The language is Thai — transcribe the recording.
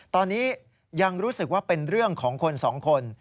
ตอนนี้ยังรู้สึกว่าเป็นเรื่องของคนสองคน